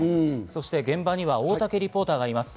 現場には大竹リポーターがいます。